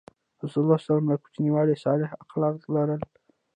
رسول الله ﷺ له کوچنیوالي صالح اخلاق لرل.